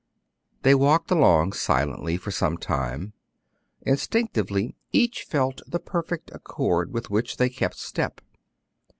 They walked along silently for some time. Instinctively, each felt the perfect accord with which they kept step.